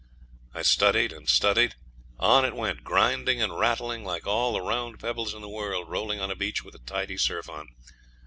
I studied and studied. On it went grinding and rattling like all the round pebbles in the world rolling on a beach with a tidy surf on.